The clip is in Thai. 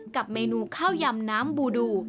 กับเมนูข้าวยำน้ำบูดู